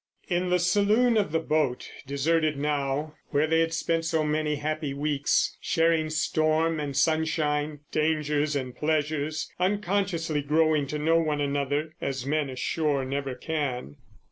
In the saloon of the boat—deserted now—where they had spent so many happy weeks, sharing storm and sunshine, dangers and pleasures, unconsciously growing to know one another, as men ashore never can.